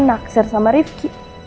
naksir sama riffy